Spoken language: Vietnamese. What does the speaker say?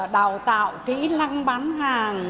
đào tạo kỹ lăng bán hàng